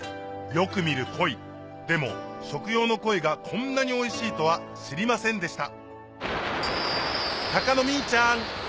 よく見るコイでも食用のコイがこんなにおいしいとは知りませんでした鷹のミーちゃん